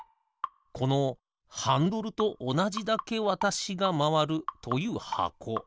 このハンドルとおなじだけわたしがまわるというはこ。